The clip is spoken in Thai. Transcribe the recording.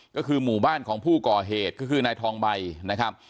ก็คือหมู่บ้านของผู้ก่อเหตุก็คือนายทองใบนะครับ